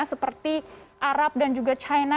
seperti arab dan juga china